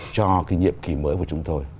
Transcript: cho cái nghiệp kỳ mới của chúng tôi